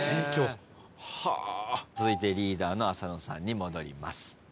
続いてリーダーの浅野さんに戻ります。